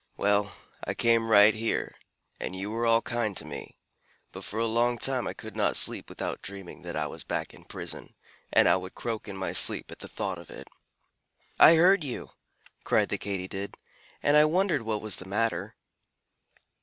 Well, I came right here, and you were all kind to me, but for a long time I could not sleep without dreaming that I was back in prison, and I would croak in my sleep at the thought of it." "I heard you," cried the Katydid, "and I wondered what was the matter."